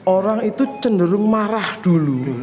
orang itu cenderung marah dulu